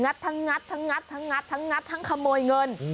ทั้งงัดทั้งงัดทั้งงัดทั้งงัดทั้งขโมยเงิน